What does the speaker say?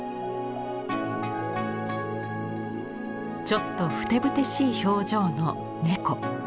ちょっとふてぶてしい表情の猫。